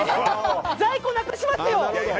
在庫なくしますよ！